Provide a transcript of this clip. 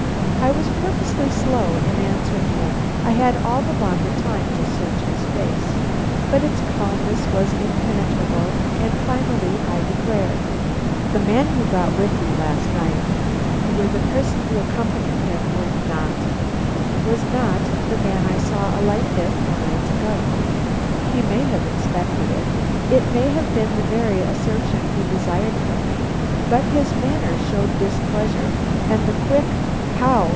I was purposely slow in answering him I had all the longer time to search his face. But its calmness was impenetrable, and finally I declared: "The man you brought with you last night you were the person who accompanied him, were you not was not the man I saw alight there four nights ago." He may have expected it; it may have been the very assertion he desired from me, but his manner showed displeasure, and the quick "How?"